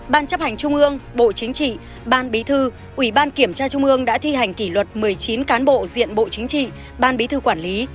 ban chấp hành trung ương bộ chính trị ban bí thư ủy ban kiểm tra trung ương đã thi hành kỷ luật một mươi chín cán bộ diện bộ chính trị ban bí thư quản lý